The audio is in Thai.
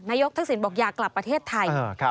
ทักษิณบอกอยากกลับประเทศไทย